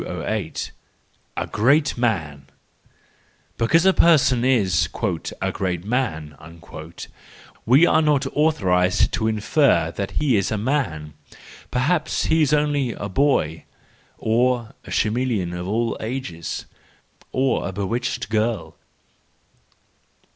208. A Great Man ! —Because a person is " a great man," we are not authorised to infer that he is a man. Perhaps he is only a boy, or a chameleon of all ages, or a bewitched girl.